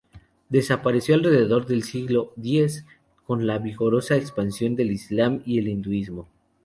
Desapareció alrededor del siglo X con la vigorosa expansión del Islam y el hinduismo.